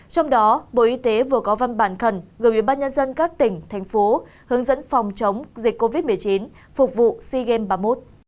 trong đó bộ y tế vừa có văn bản khẩn gợi biểu bác nhân dân các tỉnh thành phố hướng dẫn phòng chống dịch covid một mươi chín phục vụ sea games ba mươi một